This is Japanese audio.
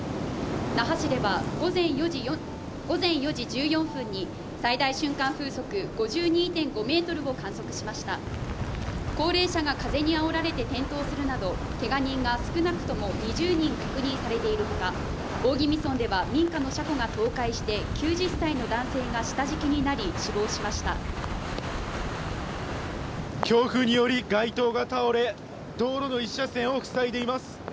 那覇市では午前４時１４分に最大瞬間風速５２．５メートルを観測しました高齢者が風にあおられて転倒するなどけが人が少なくとも２０人確認されているほか大宜味村では民家の車庫が倒壊して９０歳の男性が下敷きになり死亡しました強風により街灯が倒れ道路の１車線を塞いでいます